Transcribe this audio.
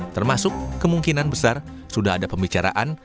termasuk kemungkinan besar sudah ada pembicaraan